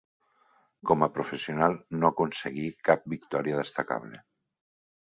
Com a professional no aconseguí cap victòria destacable.